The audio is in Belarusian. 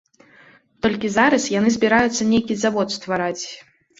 Толькі зараз яны збіраюцца нейкі завод ствараць.